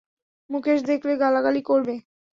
মুকেশ দেখলে গালাগালি করবে।